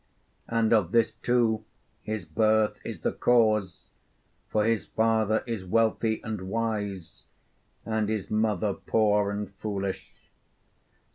And of this too his birth is the cause; for his father is wealthy and wise, and his mother poor and foolish.